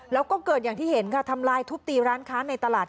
แล้วก็เกิดอย่างที่เห็นค่ะทำลายทุบตีร้านค้าในตลาด